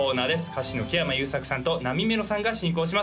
歌手の木山裕策さんとなみめろさんが進行します